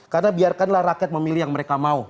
karena biarkanlah rakyat memilih yang mereka mau